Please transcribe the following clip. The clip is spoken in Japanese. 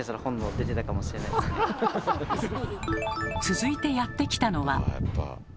続いてやって来たのは。